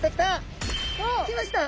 きました！